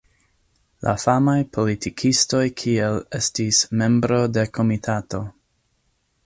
La famaj politikistoj kiel estis membro de komitato.